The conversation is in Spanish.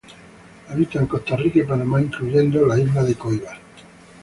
Habita en Costa Rica y Panamá, incluyendo a la isla de Coiba.